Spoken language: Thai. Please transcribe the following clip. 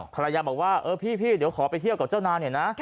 ภรรยาบอกว่าเออพี่เดี๋ยวขอไปเที่ยวกับเจ้านาหน่อยนะ